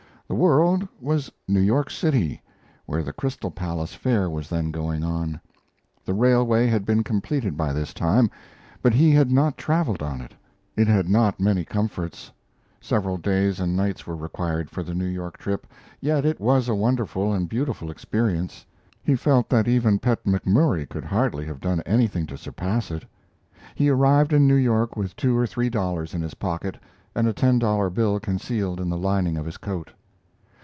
The "world" was New York City, where the Crystal Palace Fair was then going on. The railway had been completed by this time, but he had not traveled on it. It had not many comforts; several days and nights were required for the New York trip; yet it was a wonderful and beautiful experience. He felt that even Pet McMurry could hardly have done anything to surpass it. He arrived in New York with two or three dollars in his pocket and a ten dollar bill concealed in the lining of his coat.